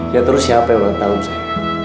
ya terus siapa yang ulang tahun sayang